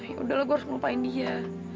ya udah lah gue harus ngelupain dia